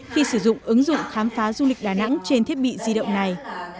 khi sử dụng ứng dụng khám phá du lịch đà nẵng trên thiết bị di động này